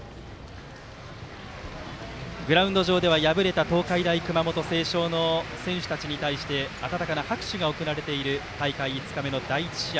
グラウンド上では敗れた東海大熊本星翔の選手たちに対し温かな拍手が送られている大会５日目の第１試合。